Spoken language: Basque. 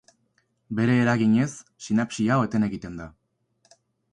Bere eraginez, sinapsi hau eten egiten da.